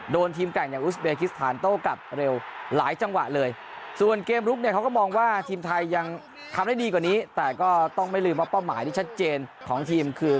ได้ดีกว่านี้แต่ก็ต้องไม่ลืมว่าเป้าหมายที่ชัดเจนของทีมคือ